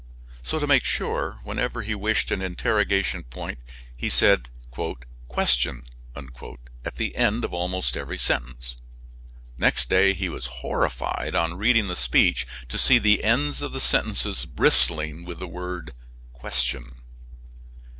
So to make sure, whenever he wished an interrogation point he said "question" at the end of almost every sentence. Next day he was horrified on reading the speech to see the ends of the sentences bristling with the word "question."